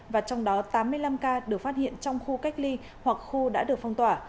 và trong đó tám mươi năm ca được phát hiện trong khu cách ly hoặc khu đã được phong tỏa